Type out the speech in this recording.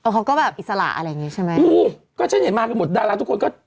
เขาก็แบบอิสระอะไรอย่างงี้ใช่ไหมอู้ก็ฉันเห็นมากันหมดดาราทุกคนก็